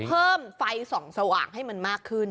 เพิ่มไฟส่องสว่างให้มันมากขึ้น